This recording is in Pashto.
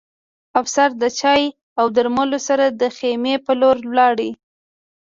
افسر د چای او درملو سره د خیمې په لور لاړ